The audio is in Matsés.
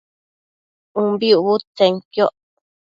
ubi ucbudtsenquioc